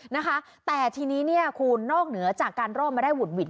นะคะแต่ทีนี้เนี่ยคุณนอกเหนือจากการรอดมาได้หุดหวิด